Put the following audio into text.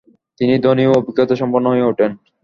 তিনি ধনী ও অভিজ্ঞতাসম্পন্ন হয়ে উঠেন।